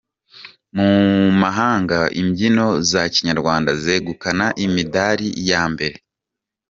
Mu mahanga imbyino za kinyarwanda zegukana imidari ya mbere .